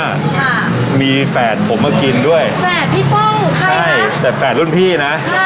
ค่ะมีแฝดผมมากินด้วยแฝดพี่ป้องค่ะใช่แต่แฝดรุ่นพี่นะ